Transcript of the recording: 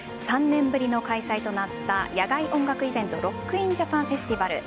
３年ぶりの開催となった野外音楽イベントロック・イン・ジャパン・フェスティバル